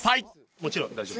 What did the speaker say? もちろん大丈夫です。